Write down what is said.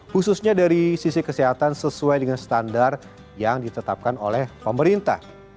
khususnya dari sisi kesehatan sesuai dengan standar yang ditetapkan oleh pemerintah